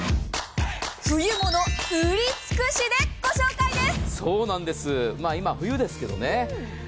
冬物売り尽くしでご紹介です。